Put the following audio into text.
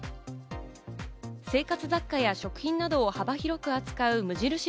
生活雑貨や食品などを幅広く扱う無印